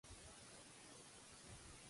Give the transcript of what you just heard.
Com podien veure aquest?